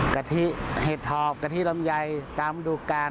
กะทิเห็ดถอบกะทิลำไยตามดูกาล